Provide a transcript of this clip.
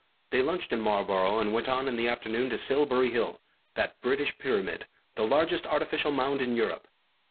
They lunched in Marlborough and went on in the afternoon to Silbury Hill, that British pyramid, the largest artificial mound in Europe.